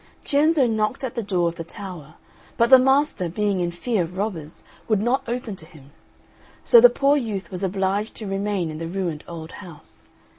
Cienzo knocked at the door of the tower; but the master, being in fear of robbers, would not open to him, so the poor youth was obliged to remain in the ruined old house.